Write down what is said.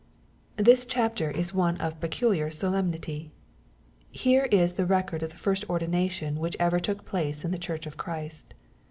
This chapter is one of peculiar solemnity. Here is the record of the first ordination which ever took place in the church of Christ.